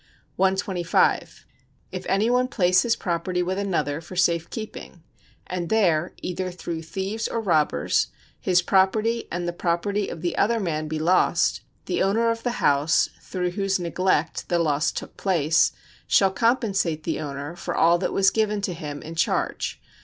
125. If any one place his property with another for safe keeping, and there, either through thieves or robbers, his property and the property of the other man be lost, the owner of the house, through whose neglect the loss took place, shall compensate the owner for all that was given to him in charge.